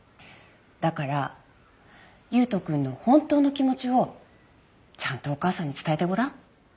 だから悠斗くんの本当の気持ちをちゃんとお母さんに伝えてごらん。